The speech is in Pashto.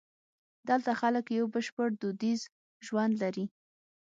دلته خلک یو بشپړ دودیز ژوند لري.